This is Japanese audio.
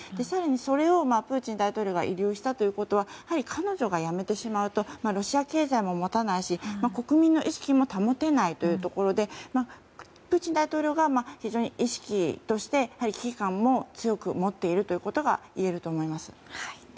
更に、それをプーチン大統領が慰留したということは彼女が辞めてしまうとロシア経済も持たないし国民の意識も保てないというところでプーチン大統領が非常に意識として危機感を強く持っているということがいえると思います。